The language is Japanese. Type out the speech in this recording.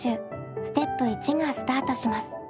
ステップ①がスタートします。